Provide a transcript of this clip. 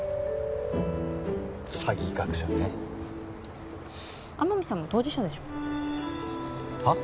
詐欺学者ね天海さんも当事者でしょはっ？